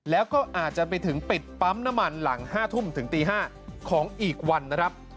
แล้วก็อาจจะไปถึงปิดปั๊มน้ำมันหลัง๕ทุ่มถึงตี๕ของอีกวันนะครับ